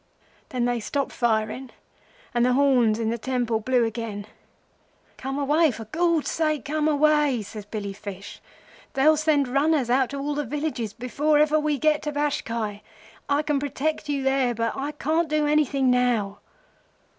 "'Then they stopped firing and the horns in the temple blew again. 'Come away—for Gord's sake come away!' says Billy Fish. 'They'll send runners out to all the villages before ever we get to Bashkai. I can protect you there, but I can't do anything now.